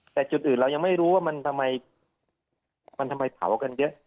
แต่จุดอื่นเรายังไม่รู้ว่ามันทำไมมันทำไมเผากันเยอะ